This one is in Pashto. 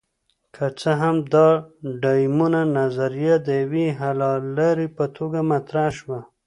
که څه هم د ډایمونډ نظریه د یوې حللارې په توګه مطرح شوه.